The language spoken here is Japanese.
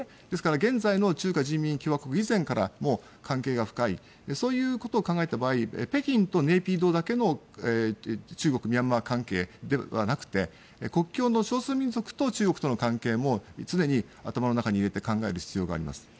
ですから現在の中華人民共和国以前から関係が深いそういうことを考えた場合北京とネピドーだけの中国・ミャンマー関係だけではなくて、国境の少数民族と中国との関係も常に頭の中に入れて考える必要があります。